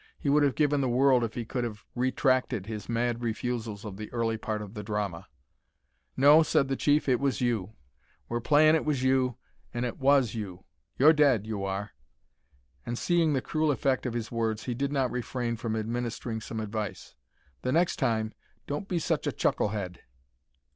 He would have given the world if he could have retracted his mad refusals of the early part of the drama. "No," said the chief, "it was you. We're playin' it was you, an' it was you. You're dead, you are." And seeing the cruel effect of his words, he did not refrain from administering some advice: "The next time, don't be such a chuckle head."